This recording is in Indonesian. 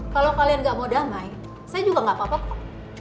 kalau kalian gak mau damai saya juga nggak apa apa kok